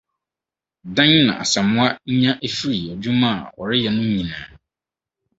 Dɛn na Asamoah nya efiri adwuma a ɔreyɛ no nyinaa?